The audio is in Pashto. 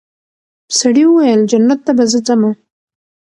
سړي وویل جنت ته به زه ځمه